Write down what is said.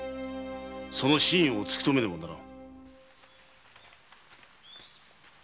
その真意を突きとめねばならん。